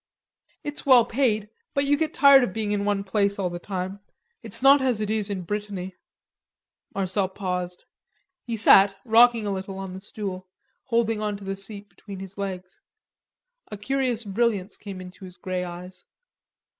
"It's well paid; but you get tired of being in one place all the time. It's not as it is in Brittany...." Marcel paused. He sat, rocking a little on the stool, holding on to the seat between his legs. A curious brilliance came into his grey eyes.